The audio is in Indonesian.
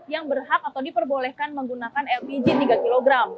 yang berhak atau diperbolehkan menggunakan lpg tiga kg